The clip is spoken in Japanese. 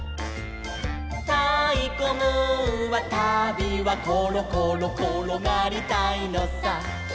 「たいこムーンはたびはころころころがりたいのさ」